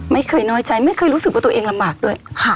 ไม่เคยน้อยใจไม่เคยรู้สึกว่าตัวเองลำบากด้วย